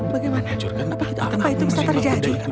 bagaimana apa itu bisa terjadi